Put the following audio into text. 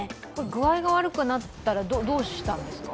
具合が悪くなったらどうしたんですか。